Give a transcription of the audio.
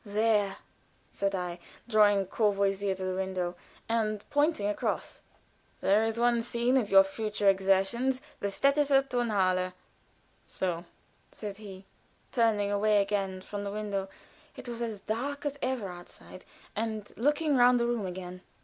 "There," said I, drawing Courvoisier to the window, and pointing across: "there is one scene of your future exertions, the Städtische Tonhalle." "So!" said he, turning away again from the window it was as dark as ever outside and looking round the room again.